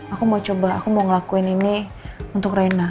aku mau coba aku mau ngelakuin ini untuk reina